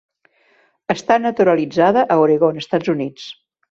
Està naturalitzada a Oregon, Estats Units.